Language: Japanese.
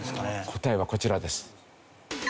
答えはこちらです。